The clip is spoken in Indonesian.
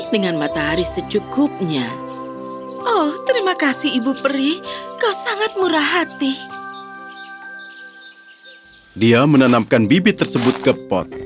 dia menanamkan bibit tersebut ke pot